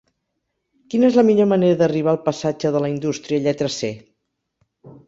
Quina és la millor manera d'arribar al passatge de la Indústria lletra C?